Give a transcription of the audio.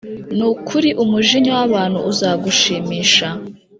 Ni ukuri umujinya w abantu uzagushimisha